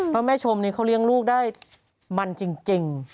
เพราะแม่ชมนี้เขาเลี้ยงลูกได้มันจริง